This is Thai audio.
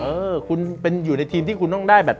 เออคุณเป็นอยู่ในทีมที่คุณต้องได้แบบ